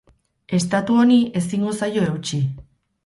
Estatu honi ezingo zaio eutsi.